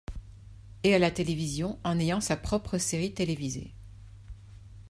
Et à la télévision en ayant sa propre série télévisée.